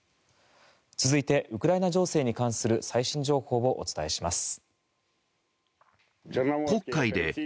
続いて、ウクライナ情勢に関する最新情報をお伝えします。